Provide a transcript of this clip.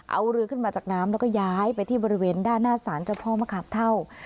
เอาเรือขึ้นมาจากน้ำแล้วก็ย้ายไปที่บริเวณด้านหน้าสารเจ้าพ่อมะขามเท่า